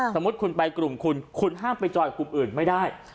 สมมุติคุณไปกลุ่มคุณคุณห้ามไปจอยกับกลุ่มอื่นไม่ได้